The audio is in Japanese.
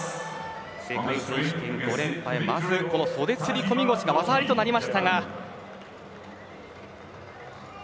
世界選手権５連覇へ、まず袖釣込腰が技ありとなりましたが。